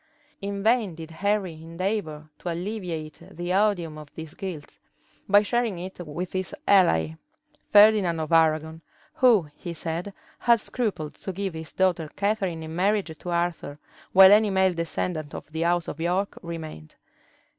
In vain did Henry endeavor to alleviate the odium of this guilt, by sharing it with his ally, Ferdinand of Arragon, who, he said, had scrupled to give his daughter Catharine in marriage to Arthur while any male descendant of the house of York remained.